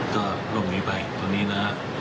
ก็ลงหนีไปตัวนี้นะฮะ